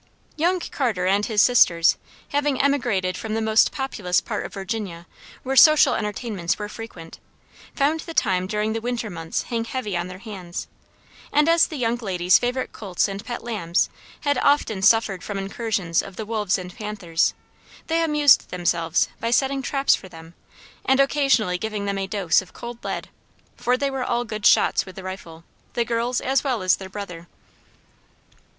Young Carter and his sisters having emigrated from the most populous part of Virginia where social entertainments were frequent, found the time during the winter months hang heavy on their hands, and as the young ladies' favorite colts and pet lambs had often suffered from incursions of the wolves and panthers, they amused themselves by setting traps for them and occasionally giving them a dose of cold lead, for they were all good shots with the rifle, the girls as well as their brother.